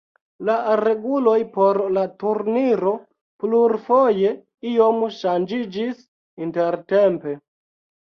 La reguloj por la turniro plurfoje iom ŝanĝiĝis intertempe.